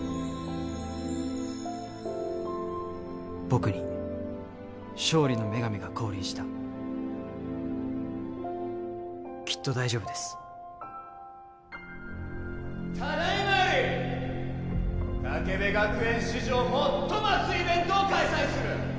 僕に勝利の女神が降臨したきっと大丈夫ですただ今より建部学園史上最も熱いイベントを開催する！